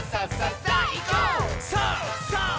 さあ！さあ！」